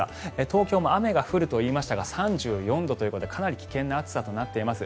東京も雨が降ると言いましたが３４度ということでかなり危険な暑さとなっています。